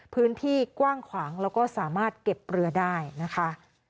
พื้นที่กว้างขวางแล้วก็สามารถเก็บเรือได้นะคะ